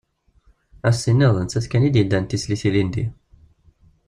Ad as-tiniḍ d nettat kan i d-yeddan d tislit ilindi.